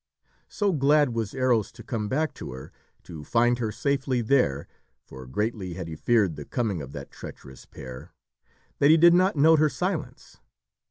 So glad was Eros to come back to her, to find her safely there for greatly had he feared the coming of that treacherous pair that he did not note her silence.